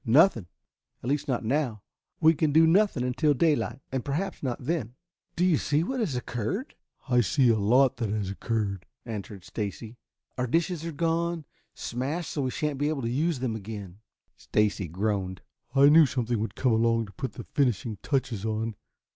"Nothing. At least, not now. We can do nothing until daylight, and perhaps not then. Do you see what has occurred?" "I see a lot that has occurred," answered Stacy. "Our dishes are gone, smashed so we shan't be able to use them again." Stacy groaned. "I knew something would come along to put the finishing touches on.